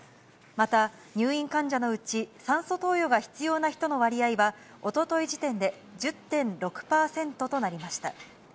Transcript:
また、入院患者のうち酸素投与が必要な人の割合は、おととい時点で１０．６％となりました。